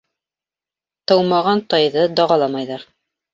Тыумаған тайҙы дағаламайҙар.